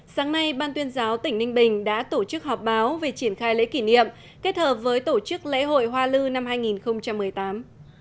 sáng nay ban tuyên giáo tỉnh ninh bình đã tổ chức họp báo về triển khai lễ kỷ niệm kết hợp với tổ chức lễ hội hoa lư năm hai nghìn một mươi tám